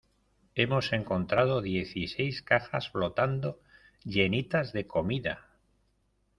hemos encontrado dieciséis cajas flotando llenitas de comida.